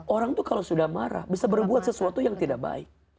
orang itu kalau sudah marah bisa berbuat sesuatu yang tidak baik